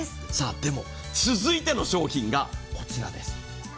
でも続いての商品がこちらです。